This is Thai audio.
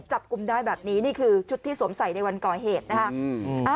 จับกลุ่มได้แบบนี้นี่คือชุดที่สวมใส่ในวันก่อเหตุนะคะ